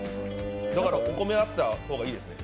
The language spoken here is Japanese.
だから、お米あった方がいいですね。